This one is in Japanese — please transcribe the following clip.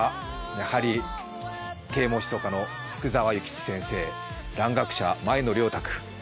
やはり啓蒙思想家の福沢諭吉先生、蘭学者・前野良沢。